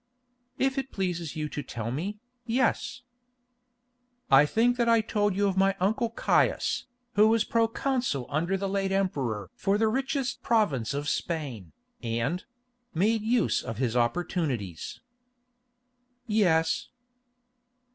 "If it pleases you to tell me, yes." "I think that I told you of my uncle Caius, who was pro consul under the late emperor for the richest province of Spain, and—made use of his opportunities." "Yes."